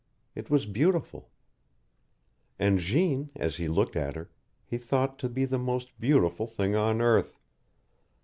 It was beautiful. And Jeanne, as he looked at her, he thought to be the most beautiful thing on earth.